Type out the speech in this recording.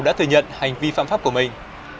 đã thừa nhận hành vi phạm pháp của mình